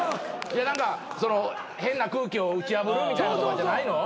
何か変な空気を打ち破るみたいなとかじゃないの？